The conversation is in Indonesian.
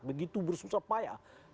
begitu bersusah payah